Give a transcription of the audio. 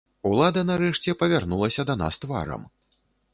Улада, нарэшце, павярнулася да нас тварам.